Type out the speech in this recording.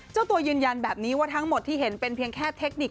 เจ้าตัวยืนยันแบบนี้ว่าทั้งหมดที่เห็นเป็นเพียงแค่เทคนิค